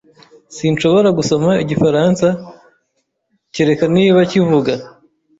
Sinshobora gusoma Igifaransa, kereka niba kivuga.